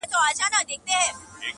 نن محتسب له خپل کتابه بندیز ولګاوه!!